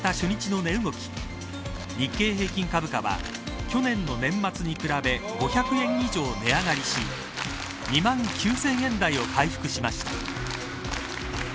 日経平均株価は去年の年末に比べ５００円以上値上がりし２万９０００円台を回復しました。